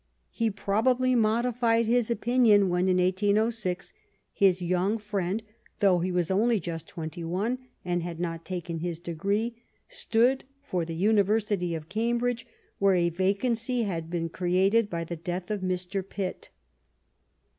He probably modified his opinion when, in 1806, his young friend, though he was only just twenty one, and had not taken his degree, stood for the University of Cam bridge, where a vacancy had been created by the death of Mr. Pitt.